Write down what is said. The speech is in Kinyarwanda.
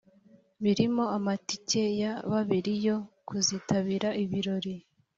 birimo amatike ya babiri yo kuzitabira ibirori